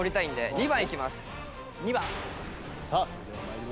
２番！